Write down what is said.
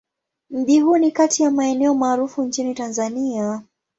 Mji huu ni kati ya maeneo maarufu nchini Tanzania.